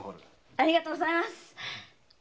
ありがとうございます。